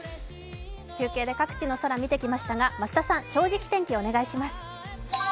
中継で各地の空を見てきましたが増田さん、「正直天気」お願いします